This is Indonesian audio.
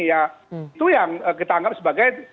ya itu yang kita anggap sebagai